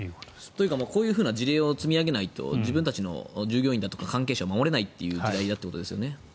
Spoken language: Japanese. というかこういう事例を積み上げないと自分たちの従業員だとか関係者を守れない時代だということですよね。